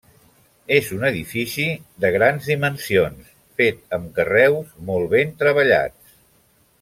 És un edifici de grans dimensions, fet amb carreus molt ben treballats.